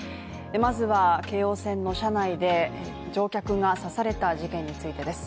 まずは、京王線の車内で乗客が刺された事件についてです。